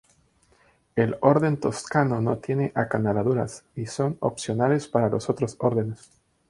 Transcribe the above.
El orden toscano no tiene acanaladuras y son opcionales para los otros órdenes.